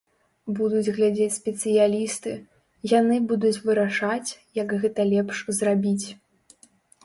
Будуць глядзець спецыялісты, яны будуць вырашаць, як гэта лепш зрабіць.